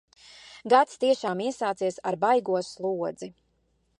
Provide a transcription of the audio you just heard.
Gads tiešām iesācies ar baigo slodzi!